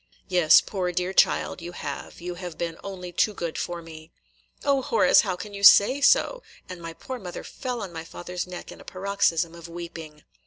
"Yes, poor dear child, you have; you have been only too good for me." "O Horace, how can you say so!" and my poor mother fell on my father's neck in a paroxysm of weeping.